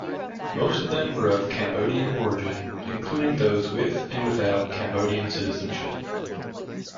Most of them were of Cambodian origin, including those with and without Cambodian citizenship.